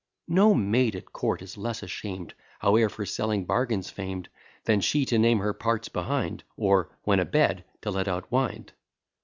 No maid at court is less asham'd, Howe'er for selling bargains fam'd, Than she to name her parts behind, Or when a bed to let out wind.